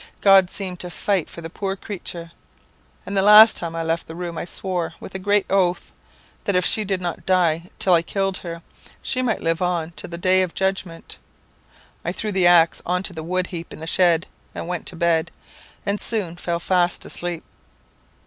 God seemed to fight for the poor creature; and the last time I left the room I swore, with a great oath, that if she did not die till I killed her, she might live on till the day of judgment. I threw the axe on to the wood heap in the shed, and went to bed, and soon fell fast asleep.